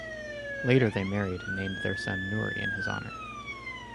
Later they married and named their son Nuri in his honor.